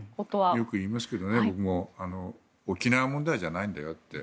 僕もよく言いますけどね沖縄問題じゃないんだよと。